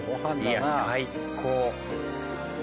いや最高！